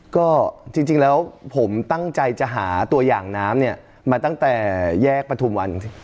ก็จริงแล้วผมตั้งใจจะหาตัวอย่างน้ำเนี่ยมาตั้งแต่แยกประทุมวัน